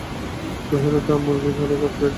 কহিল, তা, মুর্গিই ভালো, কটলেট!